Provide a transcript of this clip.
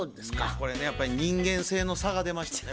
これねやっぱり人間性の差が出ましたね